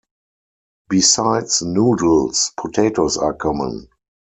Besides noodles, potatoes are common.